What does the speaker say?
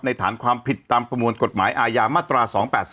ฐานความผิดตามประมวลกฎหมายอาญามาตรา๒๘๔